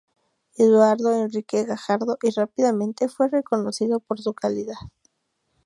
Eduardo Enrique Gajardo y rápidamente fue reconocido por su calidad.